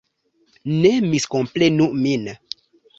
Ne miskomprenu min.